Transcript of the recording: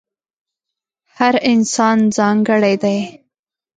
هر انسان ځانګړی دی.